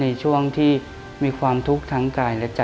ในช่วงที่มีความทุกข์ทั้งกายและจ้